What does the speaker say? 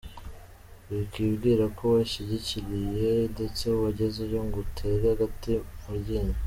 Wikwibwira ko washyikiriye ndetse wagezeyo ngo uterere agate mu ryinyo.